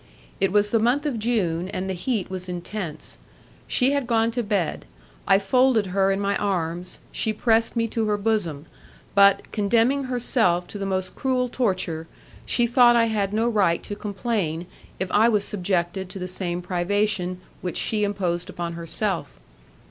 It was the month of June, and the heat was intense. She had gone to bed; I folded her in my arms, she pressed me to her bosom, but, condemning herself to the most cruel torture, she thought I had no right to complain, if I was subjected to the same privation which she imposed upon herself.